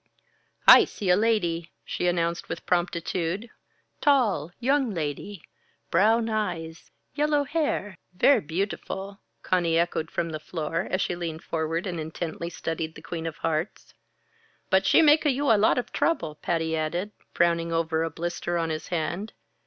"I see a lady!" she announced with promptitude. "Tall young lady brown eyes, yellow hair, ver' beautiful," Conny echoed from the floor, as she leaned forward and intently studied the queen of hearts. "But she make a you lot of trouble," Patty added, frowning over a blister on his hand.